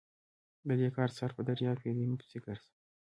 د دې کار سر په درياب کې دی؛ مه پسې ګرځه!